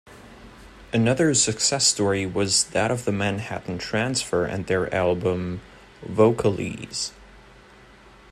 Another success story was that of the Manhattan Transfer and their album "Vocalese".